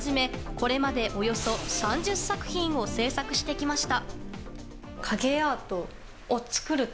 これまでおよそ３０作品を制作してきました。